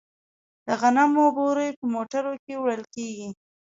د غنمو بورۍ په موټرو کې وړل کیږي.